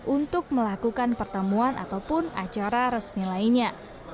untuk melakukan pertemuan ataupun acara resmi lainnya